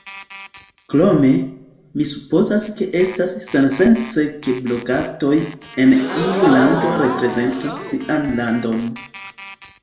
Krome, mi supozas ke estas sensence ke blogantoj en iu lando reprezentus sian landon.